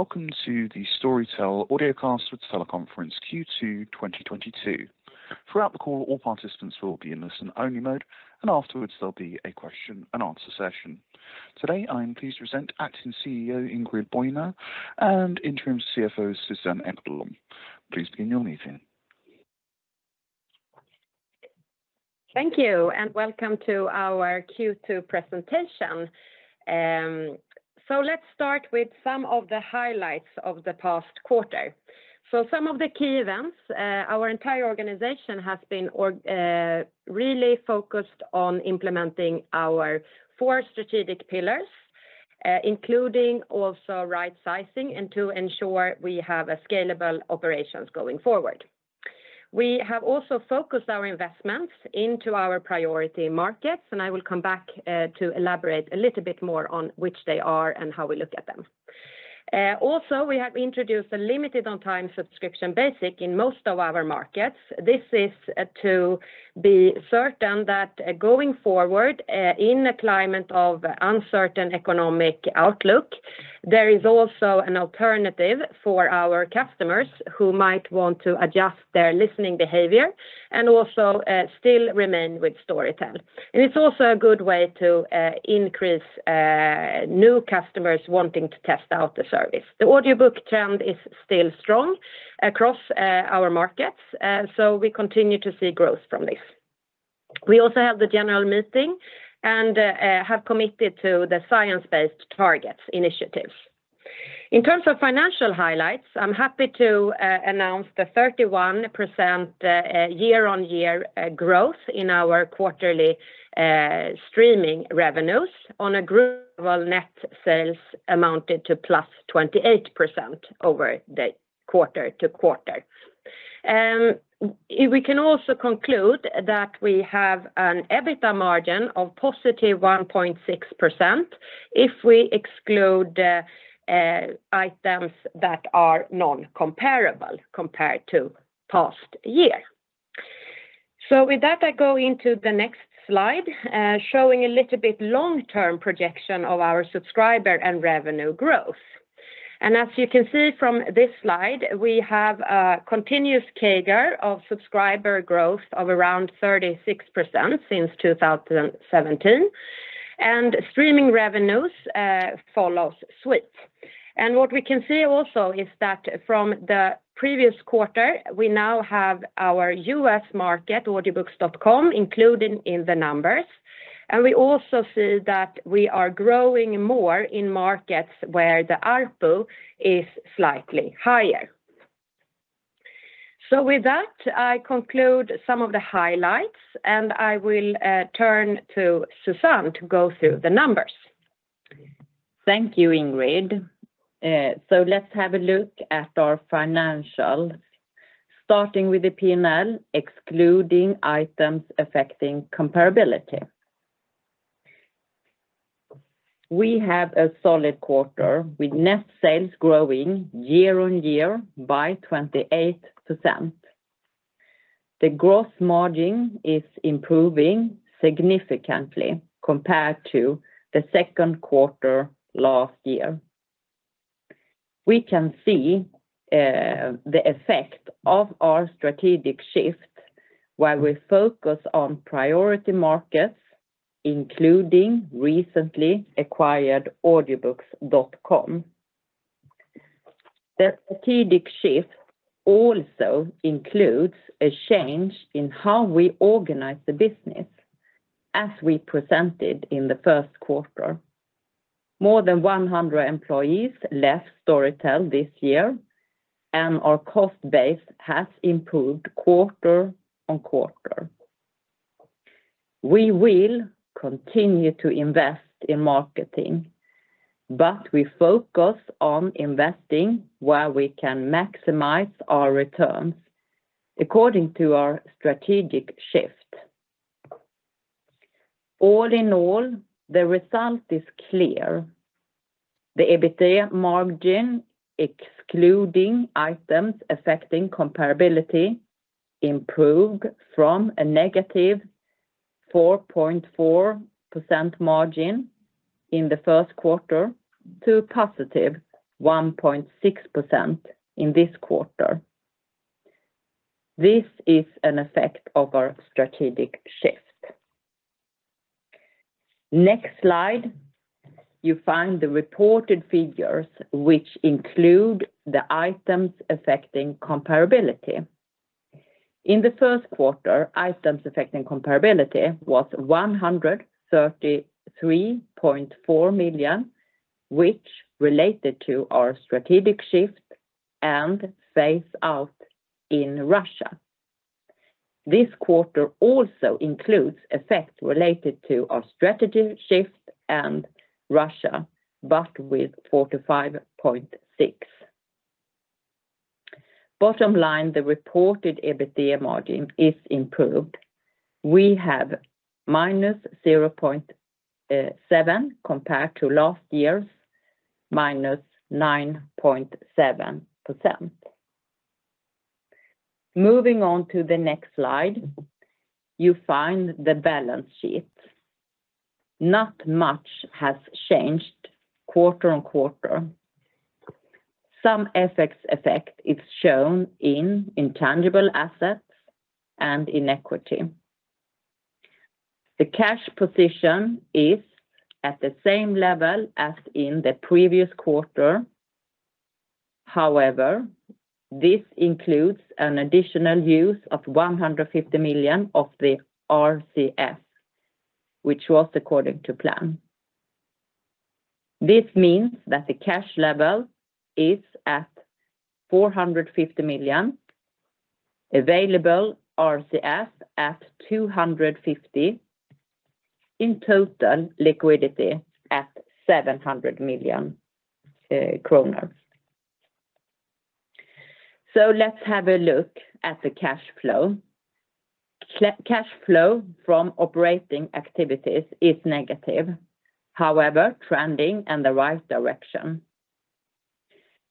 Welcome to the Storytel Audiocast with teleconference Q2 2022. Throughout the call, all participants will be in listen-only mode, and afterwards there'll be a question-and-answer session. Today, I am pleased to present Acting CEO Ingrid Bojner and Interim CFO Susanne Ekblom. Please begin your meeting. Thank you, and welcome to our Q2 presentation. Let's start with some of the highlights of the past quarter. Some of the key events, our entire organization has been really focused on implementing our four strategic pillars, including also right sizing and to ensure we have a scalable operations going forward. We have also focused our investments into our priority markets, and I will come back to elaborate a little bit more on which they are and how we look at them. Also, we have introduced a limited one-time subscription basic in most of our markets. This is to be certain that going forward, in a climate of uncertain economic outlook, there is also an alternative for our customers who might want to adjust their listening behavior and also still remain with Storytel. It's also a good way to increase new customers wanting to test out the service. The audiobook trend is still strong across our markets, so we continue to see growth from this. We also have the general meeting and have committed to the science-based targets initiatives. In terms of financial highlights, I'm happy to announce the 31% year-on-year growth in our quarterly streaming revenues. On a Group net sales, amounted to +28% over the quarter-over-quarter. We can also conclude that we have an EBITDA margin of +1.6% if we exclude items that are non-comparable compared to past year. With that, I go into the next slide showing a little bit long term projection of our subscriber and revenue growth. As you can see from this slide, we have a continuous CAGR of subscriber growth of around 36% since 2017, and streaming revenues follows suit. What we can see also is that from the previous quarter, we now have our U.S. market, Audiobooks.com, included in the numbers. We also see that we are growing more in markets where the ARPU is slightly higher. With that, I conclude some of the highlights, and I will turn to Susanne to go through the numbers. Thank you, Ingrid. Let's have a look at our financials, starting with the P&L, excluding items affecting comparability. We have a solid quarter with net sales growing year-on-year by 28%. The growth margin is improving significantly compared to the second quarter last year. We can see the effect of our strategic shift, where we focus on priority markets, including recently acquired Audiobooks.com. The strategic shift also includes a change in how we organize the business as we presented in the first quarter. More than 100 employees left Storytel this year, and our cost base has improved quarter-on-quarter. We will continue to invest in marketing, but we focus on investing where we can maximize our returns according to our strategic shift. All in all, the result is clear. The EBITDA margin, excluding items affecting comparability, improved from a -4.4% margin in the first quarter to +1.6% in this quarter. This is an effect of our strategic shift. Next slide, you find the reported figures which include the items affecting comparability. In the first quarter, items affecting comparability was 133.4 million, which related to our strategic shift and phase out in Russia. This quarter also includes effects related to our strategic shift and Russia, but with 45.6 million. Bottom line, the reported EBITDA margin is improved. We have -0.7% compared to last year's -9.7%. Moving on to the next slide, you find the balance sheet. Not much has changed quarter-on-quarter. Some effects are shown in intangible assets and in equity. The cash position is at the same level as in the previous quarter. However, this includes an additional use of 150 million of the RCF, which was according to plan. This means that the cash level is at 450 million, available RCF at 250 million. In total, liquidity at 700 million kronor. Let's have a look at the cash flow. Cash flow from operating activities is negative, however trending in the right direction.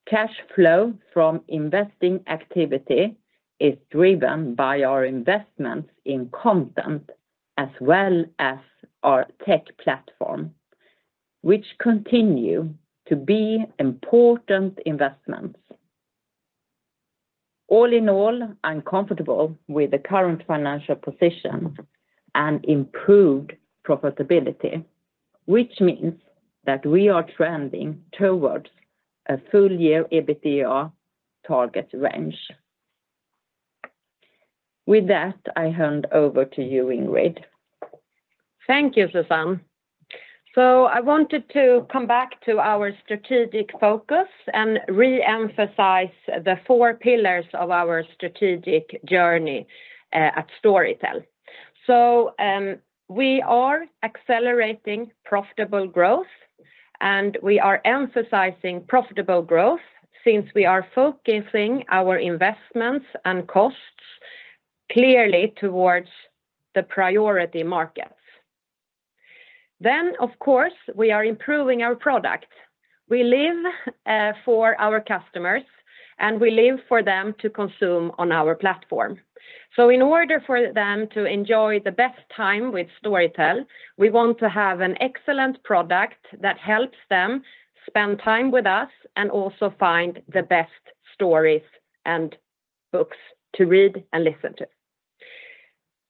Cash flow from investing activity is driven by our investments in content as well as our tech platform, which continue to be important investments. All in all, I'm comfortable with the current financial position and improved profitability, which means that we are trending towards a full-year EBITDA target range. With that, I hand over to you, Ingrid. Thank you, Susanne. I wanted to come back to our strategic focus and re-emphasize the four pillars of our strategic journey at Storytel. We are accelerating profitable growth, and we are emphasizing profitable growth since we are focusing our investments and costs clearly towards the priority markets. Of course, we are improving our product. We live for our customers, and we live for them to consume on our platform. In order for them to enjoy the best time with Storytel, we want to have an excellent product that helps them spend time with us and also find the best stories and books to read and listen to.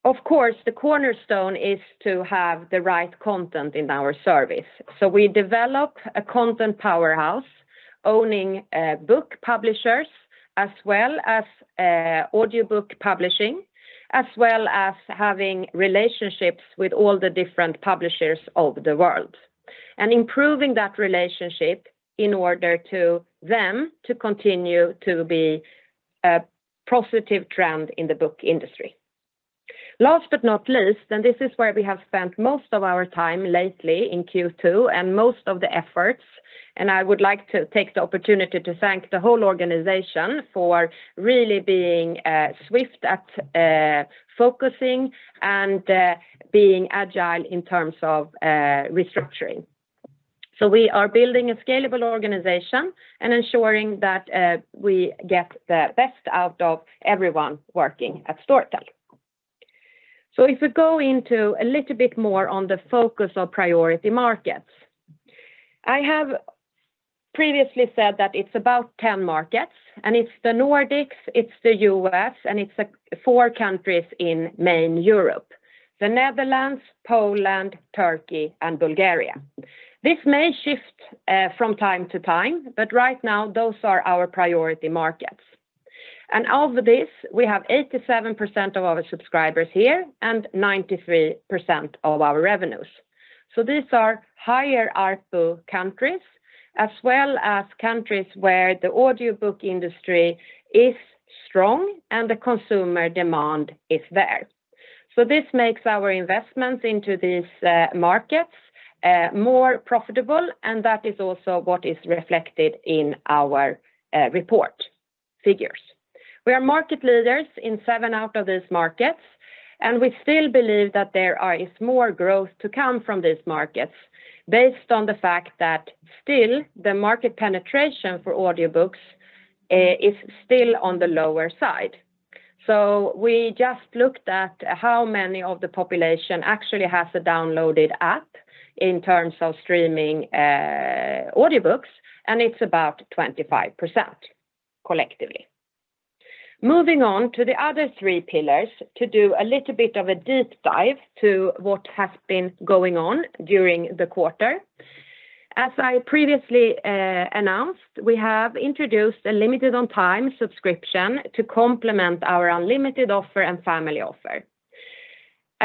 Of course, the cornerstone is to have the right content in our service. We develop a content powerhouse owning book publishers as well as audiobook publishing, as well as having relationships with all the different publishers of the world and improving that relationship in order to them to continue to be a positive trend in the book industry. Last but not least, and this is where we have spent most of our time lately in Q2 and most of the efforts, and I would like to take the opportunity to thank the whole organization for really being swift at focusing and being agile in terms of restructuring. We are building a scalable organization and ensuring that we get the best out of everyone working at Storytel. If we go into a little bit more on the focus of priority markets. I have previously said that it's about 10 markets, and it's the Nordics, it's the US, and it's the four countries in main Europe, the Netherlands, Poland, Turkey, and Bulgaria. This may shift from time to time, but right now those are our priority markets. Of this, we have 87% of our subscribers here and 93% of our revenues. These are higher ARPU countries, as well as countries where the audiobook industry is strong and the consumer demand is there. This makes our investments into these markets more profitable, and that is also what is reflected in our report figures. We are market leaders in seven out of these markets, and we still believe that there is more growth to come from these markets based on the fact that still the market penetration for audiobooks is still on the lower side. We just looked at how many of the population actually has a downloaded app in terms of streaming audiobooks, and it's about 25% collectively. Moving on to the other three pillars to do a little bit of a deep dive to what has been going on during the quarter. As I previously announced, we have introduced a limited one-time subscription to complement our unlimited offer and family offer.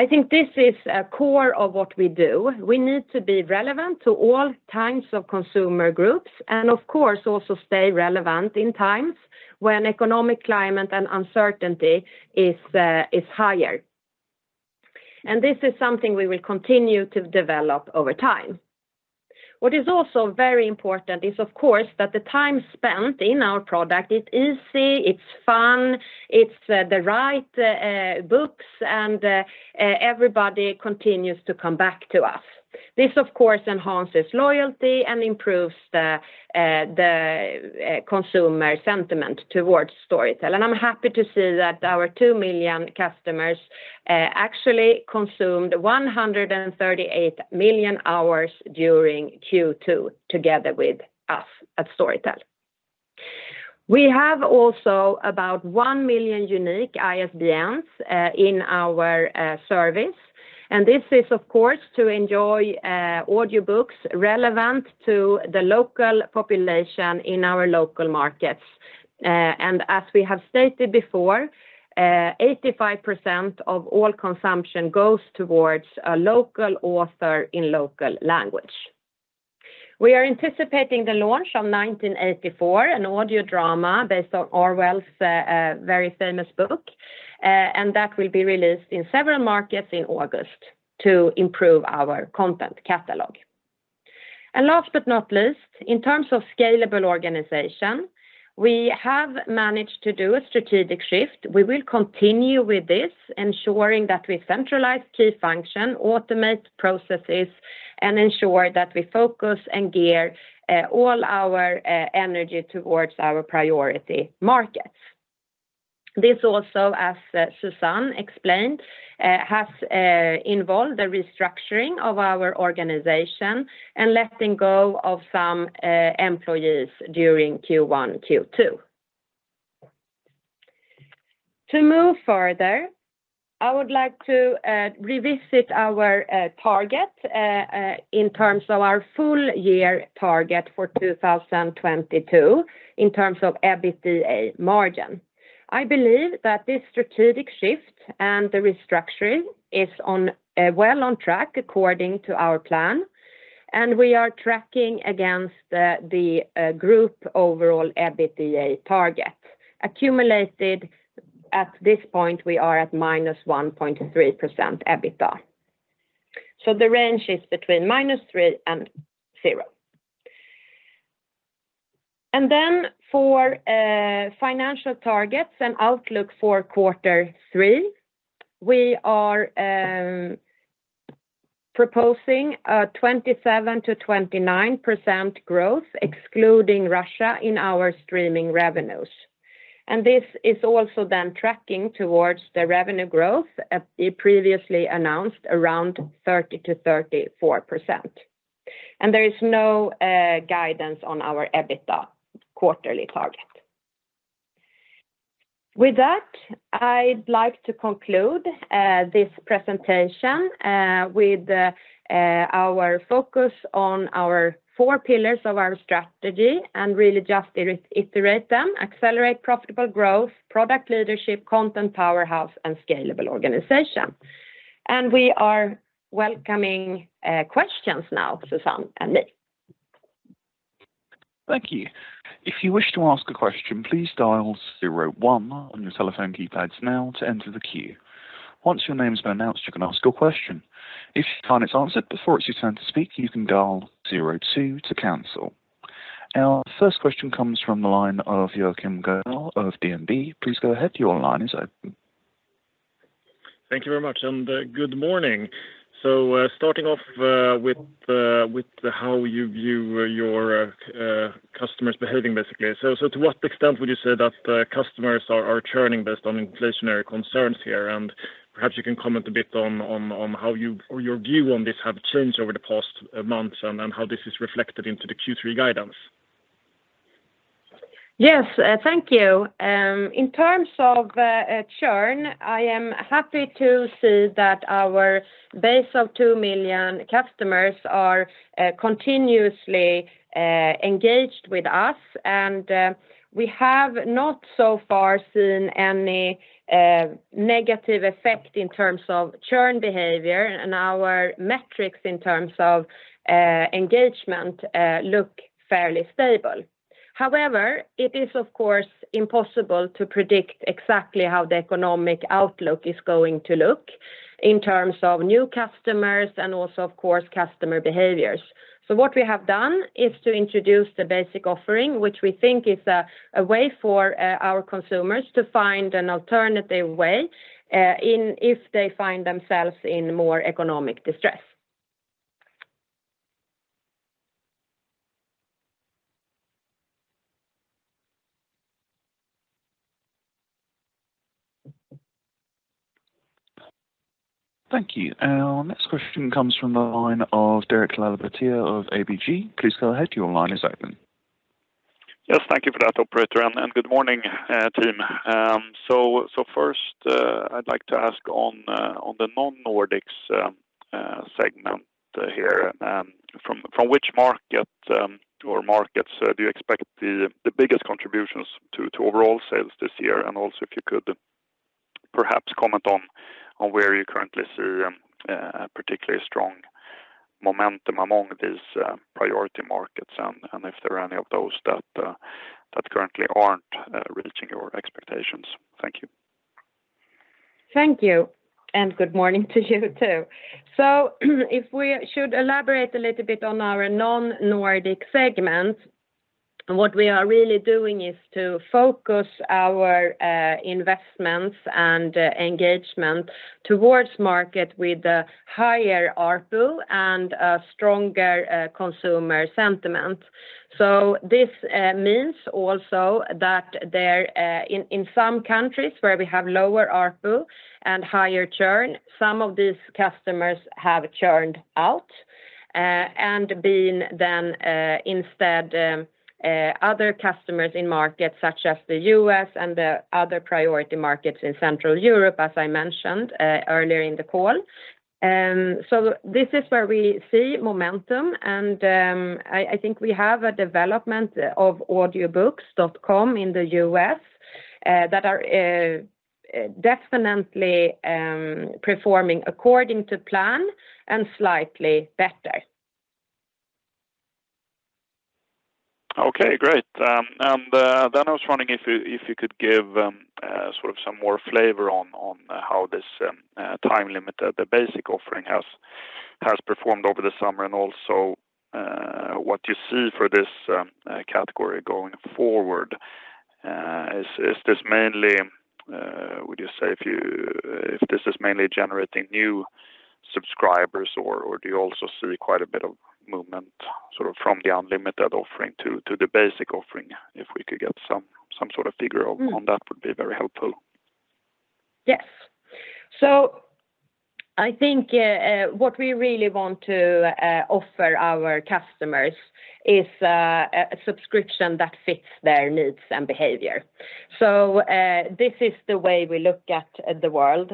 I think this is a core of what we do. We need to be relevant to all types of consumer groups and of course also stay relevant in times when economic climate and uncertainty is higher. This is something we will continue to develop over time. What is also very important is, of course, that the time spent in our product, it's easy, it's fun, it's the right books and everybody continues to come back to us. This of course enhances loyalty and improves the consumer sentiment towards Storytel. I'm happy to see that our 2 million customers actually consumed 138 million hours during Q2 together with us at Storytel. We have also about 1 million unique ISBNs in our service. This is, of course, to enjoy audiobooks relevant to the local population in our local markets. As we have stated before, 85% of all consumption goes towards a local author in local language. We are anticipating the launch of 1984, an audio drama based on Orwell's very famous book, and that will be released in several markets in August to improve our content catalog. Last but not least, in terms of scalable organization, we have managed to do a strategic shift. We will continue with this, ensuring that we centralize key function, automate processes, and ensure that we focus and gear all our energy towards our priority markets. This also, as Susanne explained, has involved the restructuring of our organization and letting go of some employees during Q1, Q2. To move further, I would like to revisit our target in terms of our full year target for 2022 in terms of EBITDA margin. I believe that this strategic shift and the restructuring is on well on track according to our plan, and we are tracking against the group overall EBITDA target. Accumulated at this point, we are at -1.3% EBITDA. The range is between -3% and 0%. For financial targets and outlook for quarter three, we are proposing a 27%-29% growth, excluding Russia, in our streaming revenues. This is also then tracking towards the revenue growth at the previously announced around 30%-34%. There is no guidance on our EBITDA quarterly target. With that, I'd like to conclude this presentation with our focus on our four pillars of our strategy and really just iterate them. Accelerate profitable growth, product leadership, content powerhouse, and scalable organization. We are welcoming questions now, Susanne and me. Thank you. If you wish to ask a question, please dial zero one on your telephone keypads now to enter the queue. Once your name has been announced, you can ask your question. If you can't answer it before it's your turn to speak, you can dial zero two to cancel. Our first question comes from the line of Joachim Gunell of DNB. Please go ahead, your line is open. Thank you very much and good morning. Starting off with how you view your customers behaving basically. To what extent would you say that customers are churning based on inflationary concerns here? Perhaps you can comment a bit on how you or your view on this have changed over the past months and how this is reflected into the Q3 guidance? Yes, thank you. In terms of churn, I am happy to see that our base of 2 million customers are continuously engaged with us. We have not so far seen any negative effect in terms of churn behavior, and our metrics in terms of engagement look fairly stable. However, it is of course impossible to predict exactly how the economic outlook is going to look in terms of new customers and also of course customer behaviors. What we have done is to introduce the basic offering, which we think is a way for our consumers to find an alternative way in, if they find themselves in more economic distress. Thank you. Our next question comes from the line of Derek Laliberte of ABG. Please go ahead, your line is open. Yes, thank you for that operator, and good morning, team. First, I'd like to ask on the Non-Nordics segment here. From which market or markets do you expect the biggest contributions to overall sales this year? If you could perhaps comment on where you currently see particularly strong momentum among these priority markets and if there are any of those that currently aren't reaching your expectations? Thank you. Thank you, and good morning to you too. If we should elaborate a little bit on our non-Nordic segment, what we are really doing is to focus our investments and engagement towards markets with the higher ARPU and a stronger consumer sentiment. This means also that there, in some countries where we have lower ARPU and higher churn, some of these customers have churned out, and been then, instead, other customers in markets such as the U.S. and the other priority markets in Central Europe, as I mentioned earlier in the call. This is where we see momentum and, I think we have a development of Audiobooks.com in the US that are definitely performing according to plan and slightly better. Okay, great. Then I was wondering if you could give sort of some more flavor on how this time limit the basic offering has performed over the summer? Also, what you see for this category going forward. Is this mainly, would you say if this is mainly generating new subscribers or do you also see quite a bit of movement sort of from the unlimited offering to the basic offering? If we could get some sort of figure on that would be very helpful? Yes. I think what we really want to offer our customers is a subscription that fits their needs and behavior. This is the way we look at the world.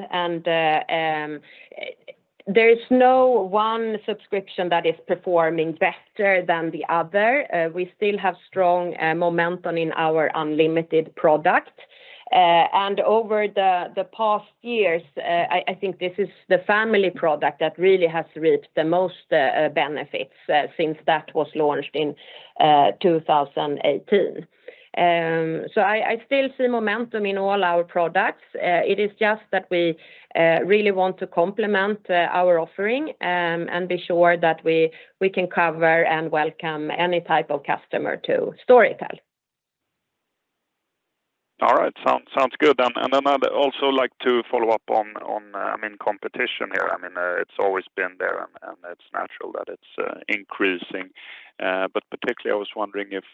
There is no one subscription that is performing better than the other. We still have strong momentum in our unlimited product. Over the past years, I think this is the family product that really has reaped the most benefits since that was launched in 2018. I still see momentum in all our products. It is just that we really want to complement our offering and be sure that we can cover and welcome any type of customer to Storytel. All right. Sounds good. I'd also like to follow up on I mean, competition here. I mean, it's always been there and it's natural that it's increasing. Particularly I was wondering if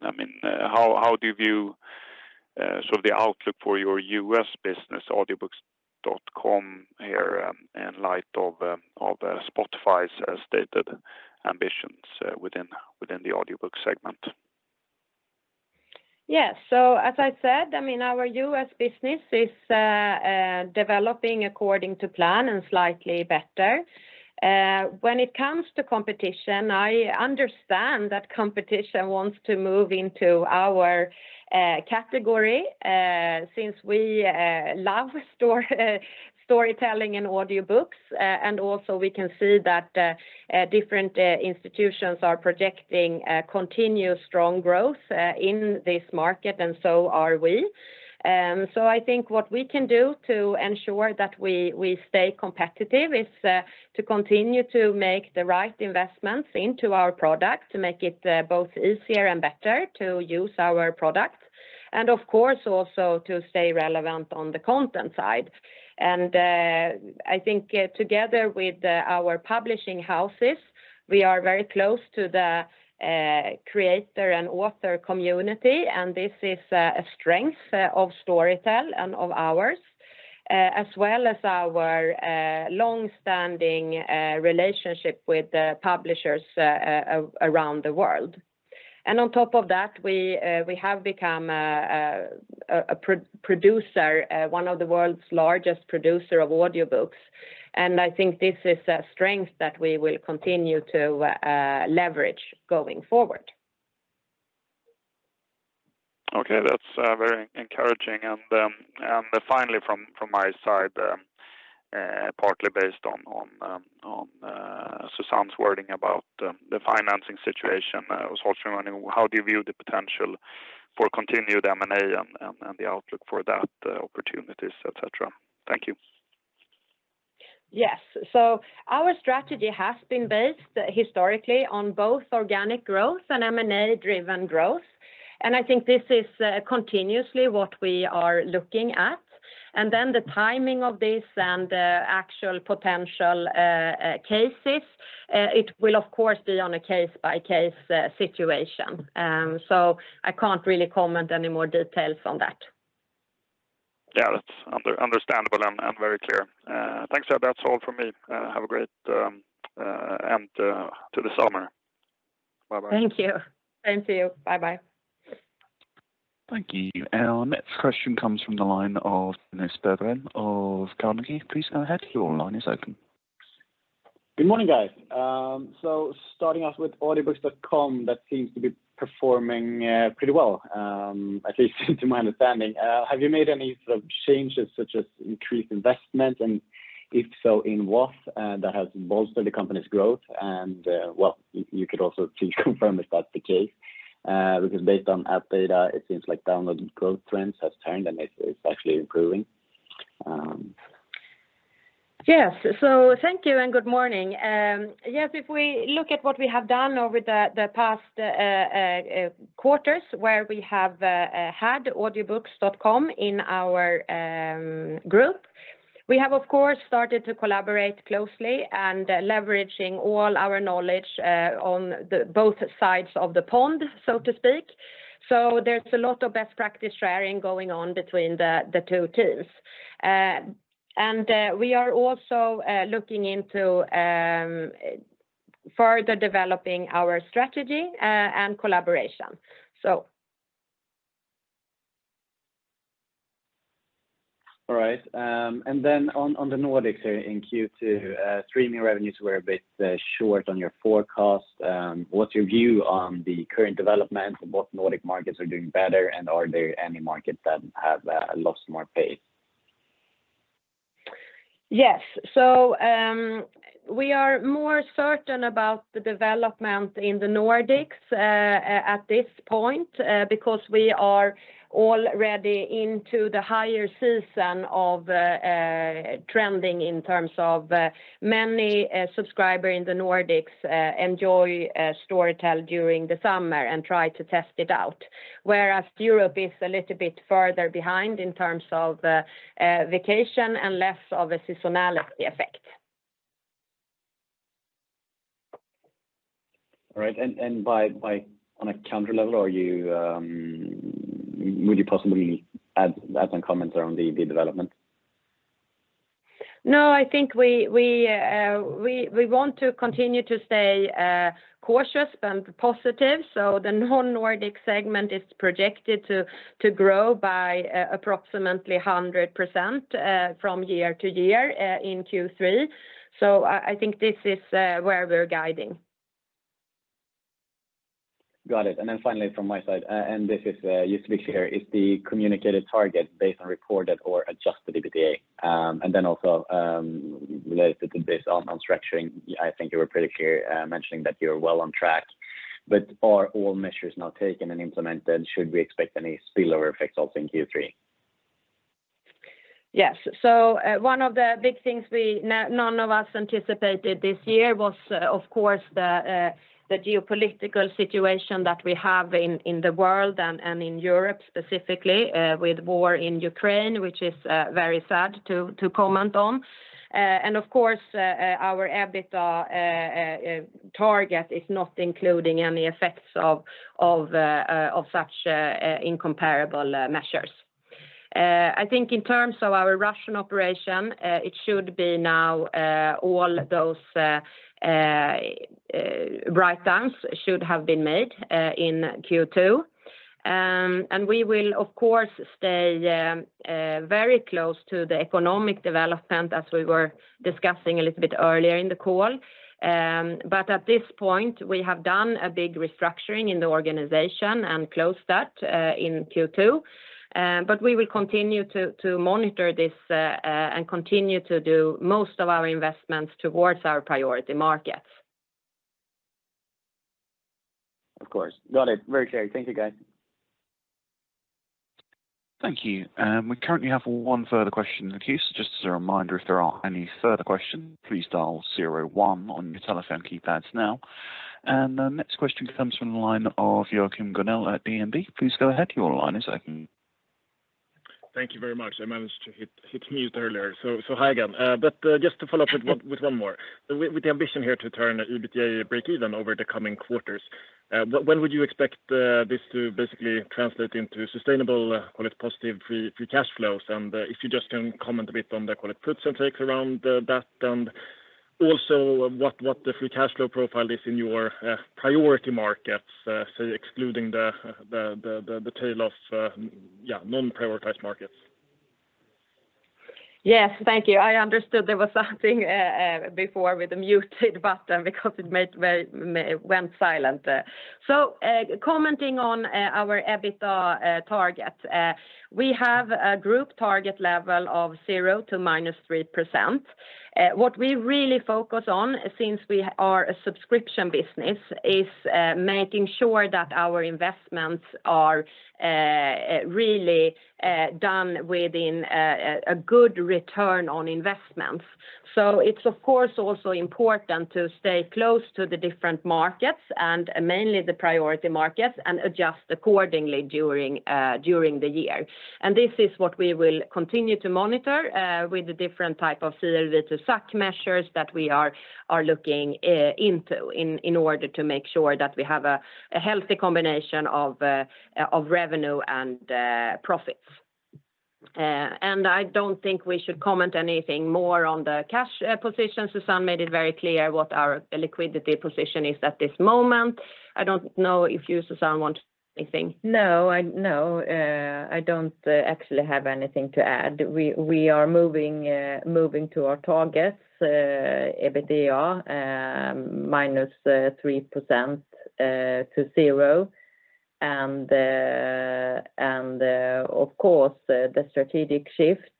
I mean, how do you view sort of the outlook for your U.S. business Audiobooks.com here in light of of Spotify's stated ambitions within the audiobook segment? Yes. As I said, I mean, our U.S. business is developing according to plan and slightly better. When it comes to competition, I understand that competition wants to move into our category, since we love storytelling and audiobooks. Also we can see that different institutions are projecting continuous strong growth in this market, and so are we. I think what we can do to ensure that we stay competitive is to continue to make the right investments into our product, to make it both easier and better to use our products. Of course, also to stay relevant on the content side. I think together with our publishing houses, we are very close to the creator and author community, and this is a strength of Storytel and of ours, as well as our longstanding relationship with the publishers around the world. On top of that, we have become a producer, one of the world's largest producer of audiobooks, and I think this is a strength that we will continue to leverage going forward. Okay. That's very encouraging. Finally from my side, partly based on Susanne's wording about the financing situation, I was also wondering how do you view the potential for continued M&A and the outlook for that, opportunities, et cetera? Thank you. Yes. Our strategy has been based historically on both organic growth and M&A-driven growth. I think this is continuously what we are looking at. Then the timing of this and actual potential cases, it will of course be on a case-by-case situation. I can't really comment any more details on that. Yeah, that's understandable and very clear. Thanks. That's all from me. Have a great end to the summer. Bye-bye. Thank you. Thank you. Bye-bye. Thank you. Our next question comes from the line of Nils Berglund of Carnegie. Please go ahead, your line is open. Good morning, guys. So starting off with Audiobooks.com, that seems to be performing pretty well, at least to my understanding. Have you made any sort of changes such as increased investment, and if so, in what that has bolstered the company's growth? Well, you could also please confirm if that's the case. Because based on app data, it seems like download growth trends have turned and it's actually improving. Yes. Thank you and good morning. Yes, if we look at what we have done over the past quarters where we have had Audiobooks.com in our group, we have of course started to collaborate closely and leveraging all our knowledge on both sides of the pond, so to speak. There's a lot of best practice sharing going on between the two teams. We are also looking into further developing our strategy and collaboration. All right. Then on the Nordics in Q2, streaming revenues were a bit short on your forecast. What's your view on the current development of what Nordic markets are doing better, and are there any markets that have lost more pace? Yes. We are more certain about the development in the Nordics at this point because we are already into the higher season of trending in terms of many subscribers in the Nordics enjoy Storytel during the summer and try to test it out, whereas Europe is a little bit further behind in terms of vacation and less of a seasonality effect. All right. On a country level, would you possibly add some comments around the development? No, I think we want to continue to stay cautious and positive. The non-Nordic segment is projected to grow by approximately 100%, from year to year, in Q3. I think this is where we're guiding. Got it. Finally from my side, and this is, just to be clear, is the communicated target based on reported or adjusted EBITDA? Related to this on structuring, I think you were pretty clear mentioning that you're well on track. Are all measures now taken and implemented? Should we expect any spillover effects also in Q3? Yes. One of the big things none of us anticipated this year was of course the geopolitical situation that we have in the world and in Europe, specifically, with war in Ukraine, which is very sad to comment on. Of course, our EBITDA target is not including any effects of such incomparable measures. I think in terms of our Russian operation, it should be now all those write-downs should have been made in Q2. We will, of course, stay very close to the economic development as we were discussing a little bit earlier in the call. At this point, we have done a big restructuring in the organization and closed that in Q2. We will continue to monitor this, and continue to do most of our investments towards our priority markets. Of course. Got it. Very clear. Thank you, guys. Thank you. We currently have one further question in the queue. Just as a reminder, if there are any further question, please dial zero one on your telephone keypads now. The next question comes from the line of Joachim Gunell at DNB Carnegie. Please go ahead. Your line is open. Thank you very much. I managed to hit mute earlier. Hi again. Just to follow up with one more. With the ambition here to turn EBITDA breakeven over the coming quarters, when would you expect this to basically translate into sustainable, call it positive free cash flows? And, if you just can comment a bit on the call it puts and takes around that? And also what the free cash flow profile is in your priority markets, so excluding the tail of non-prioritized markets? Yes. Thank you. I understood there was something before with the mute button because it went silent. Commenting on our EBITDA target, we have a group target level of 0% to -3%. What we really focus on since we are a subscription business is making sure that our investments are really done within a good return on investments. It's of course also important to stay close to the different markets and mainly the priority markets and adjust accordingly during the year. This is what we will continue to monitor with the different type of CLV to CAC measures that we are looking into in order to make sure that we have a healthy combination of revenue and profits. I don't think we should comment anything more on the cash position. Susanne made it very clear what our liquidity position is at this moment. I don't know if you, Susanne, want anything. No, I don't actually have anything to add. We are moving to our targets, EBITDA -3% to 0%. Of course, the strategic shift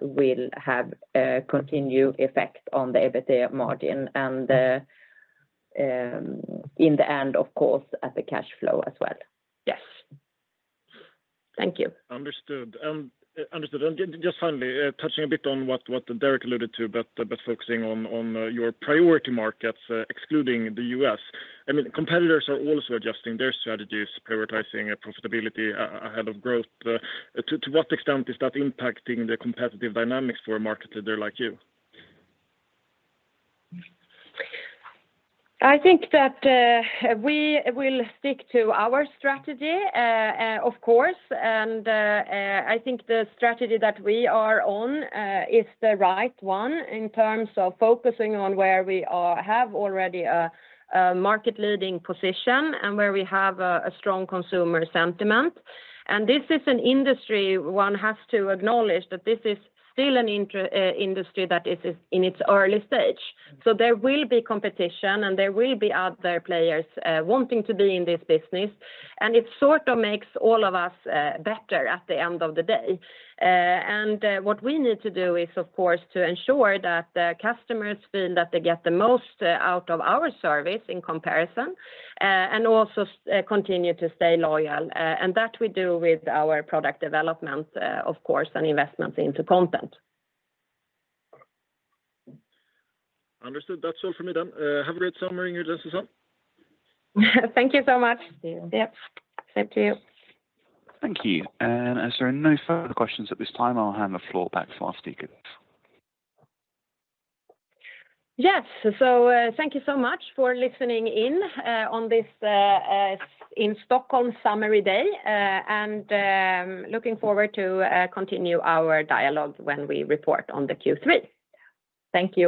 will have a continued effect on the EBITDA margin and, in the end, of course, on the cash flow as well. Yes. Understood. Just finally, touching a bit on what Derek alluded to, but focusing on your priority markets, excluding the U.S. I mean, competitors are also adjusting their strategies, prioritizing profitability ahead of growth. To what extent is that impacting the competitive dynamics for a marketer like you? I think that we will stick to our strategy, of course. I think the strategy that we are on is the right one in terms of focusing on where we have already a market-leading position and where we have a strong consumer sentiment. This is an industry one has to acknowledge that this is still an industry that is in its early stage. There will be competition, and there will be other players wanting to be in this business, and it sort of makes all of us better at the end of the day. What we need to do is, of course, to ensure that the customers feel that they get the most out of our service in comparison, and also continue to stay loyal. That we do with our product development, of course, and investments into content. Understood. That's all for me then. Have a great summer, Ingrid and Susanne. Thank you so much. Thank you. Yep, same to you. Thank you. As there are no further questions at this time, I'll hand the floor back to our speakers. Yes. Thank you so much for listening in on this in Stockholm summery day. Looking forward to continue our dialogue when we report on the Q3. Thank you.